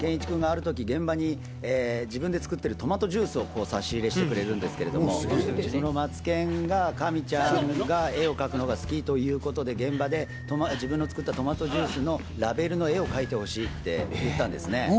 君がある時、現場に自分で作っているトマトジュースを差し入れしてくれたんですけど、その松ケンが神ちゃんが絵を描くのが好きということで、現場で自分の作ったトマトジュースのラベルの絵を描いてほしいって言ったんですね。